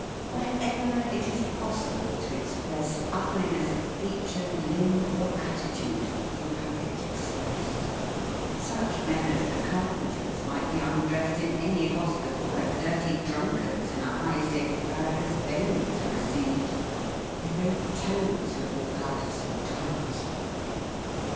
Wherever it is possible to express ugliness of feature, limb, or attitude, you have it expressed. Such men as the carpenters might be undressed in any hospital where dirty drunkards, in a high state of varicose veins, are received. Their very toes have walked out of Saint Giles's.